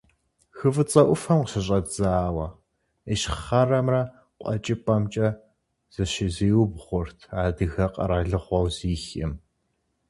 Хы Фӏыцӏэ ӏуфэм къыщыщӏэдзауэ ищхъэрэмрэ къуэкӏыпӏэмкӏэ зыщызиубгъурт адыгэ къэралыгъуэу Зихием.